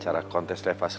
ya aki enak sampe nungguin